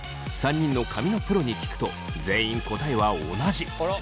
３人の髪のプロに聞くと全員答えは同じ。